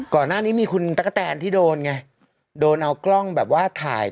ก่อนหน้านี้มีคุณตั๊กกะแตนที่โดนไงโดนเอากล้องแบบว่าถ่าย